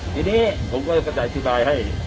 ทีนี้ผมตั้งก็จะกระจายถิดลายให้